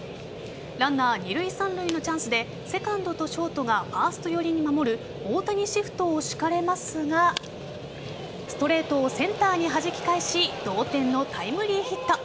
ランナー二塁・三塁のチャンスでセカンドとショートがファースト寄りに守る大谷シフトを敷かれますがストレートをセンターにはじき返し同点のタイムリーヒット。